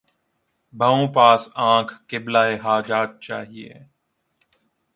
بھَوں پاس آنکھ قبلۂِ حاجات چاہیے